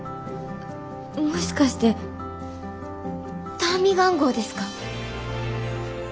もしかしてターミガン号ですか？